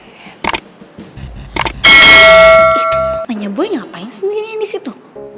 itu emangnya boy ngapain sendiri yang disitu